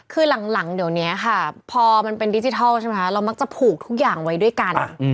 คือหลังเดี๋ยวนี้ค่ะพอมันเป็นดิจิทัลใช่ไหมคะเรามักจะผูกทุกอย่างไว้ด้วยกัน